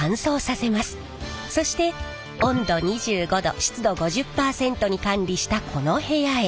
そして温度２５℃湿度５０％に管理したこの部屋へ。